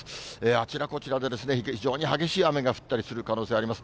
あちらこちらで非常に激しい雨が降ったりする可能性があります。